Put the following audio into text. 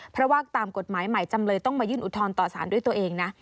เพราะว่าตามกฎหมายใหม่จำเลยต้องมายื่นอุทธรณ์ต่อสารด้วยตัวเองนะ